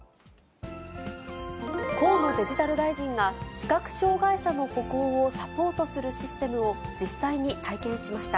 河野デジタル大臣が、視覚障がい者の歩行をサポートするシステムを、実際に体験しました。